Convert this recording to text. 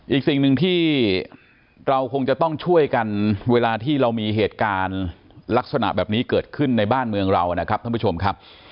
อีกสิ่งหนึ่งที่เราคงจะต้องช่วยกันเวลาที่เรามีเหตุการณ์ลักษณะแบบนี้เกิดขึ้นในบ้านเมืองเรานะครับท่านผู้ชมครับ